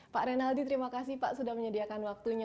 pak renaldi terima kasih pak sudah menyediakan waktunya